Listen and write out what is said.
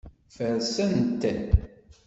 Fersen-t.